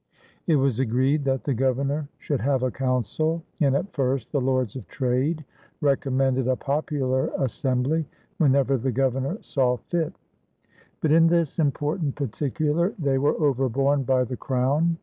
It was agreed that the Governor should have a council, and at first the Lords of Trade recommended a popular assembly, whenever the Governor saw fit; but in this important particular they were overborne by the Crown.